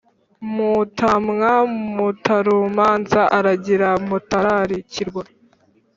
mutamwa, mutarumanza aragira mutararikirwa